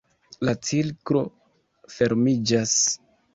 La cirklo fermiĝas!